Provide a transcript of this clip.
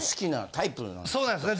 そうなんですね。